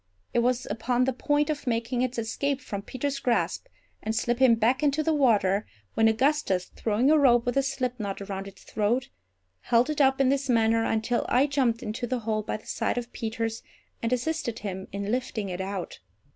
It was upon the point of making its escape from Peter's grasp, and slipping back into the water, when Augustus, throwing a rope with a slipknot around its throat, held it up in this manner until I jumped into the hole by the side of Peters, and assisted him in lifting it out.